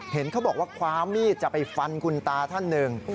เห็นเขาบอกว่าคว้ามีดจะไปฟันคุณตาท่านหนึ่ง